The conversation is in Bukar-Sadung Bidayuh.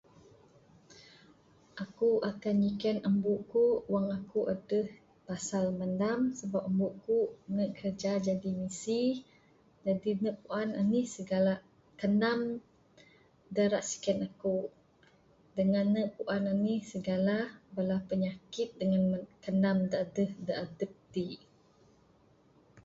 Aku akan nyiken umuk ku wang aku adeh pasal manam sabab umuk ku ne kiraja jadi misi jadi ne puan anih sigala kanam da ira siken aku dangan ne puan ne anih sigala bala pinyakit dangan kanam da adeh da adep ti.